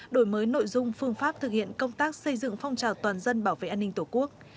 đổi mới nội dung phương pháp thực hiện công tác xây dựng phong trào toàn dân bảo vệ an ninh tổ quốc